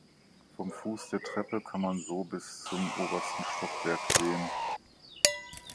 Vom Fuß der Treppe kann man so bis zum obersten Stockwerk sehen.